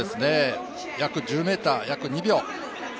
約１０ｍ、約２秒。